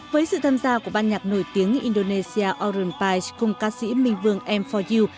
với sự tham gia của ban nhạc nổi tiếng indonesia oren paich cùng ca sĩ minh vương m bốn u